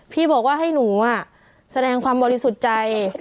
พี่บอกว่าให้หนูแสดงความบริสุทธิ์ใจ